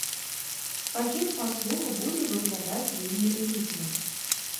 Пакет паслуг будзе выглядаць вельмі элітным.